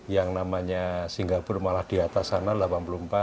yang namanya singapura malah di atas sana delapan puluh empat